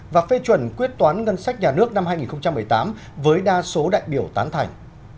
và phê chuẩn quyết toán ngân sách nhà nước năm hai nghìn một mươi tám với đa số đại biểu tán thành